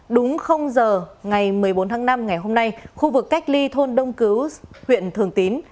đúng giờ ngày một mươi bốn tháng năm ngày hôm nay khu vực cách ly thôn đông cứu huyện thường tín